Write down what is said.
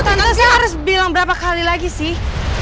tentu saya harus bilang berapa kali lagi sih